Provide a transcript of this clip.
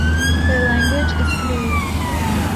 Their language is krio.